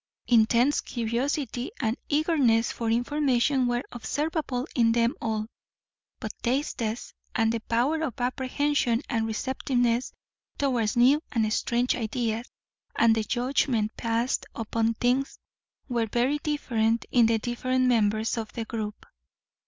Intense curiosity and eagerness for information were observable in them all; but tastes, and the power of apprehension and receptiveness towards new and strange ideas, and the judgment passed upon things, were very different in the different members of the group.